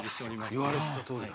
言われてたとおりだ。